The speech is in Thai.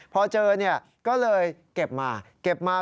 พอเจอก็เลยเก็บมา